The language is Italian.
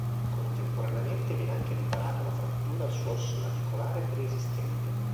Contemporaneamente viene anche riparata una frattura al suo osso navicolare preesistente.